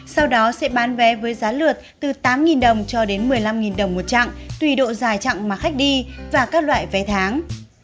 sau đó sẽ bán vé với giá lượt từ tám đồng cho đến một mươi năm đồng một chặng tùy độ dài chặng mà khách đi và các loại vé tháng